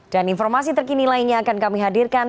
dan informasi terkini lainnya akan kami hadirkan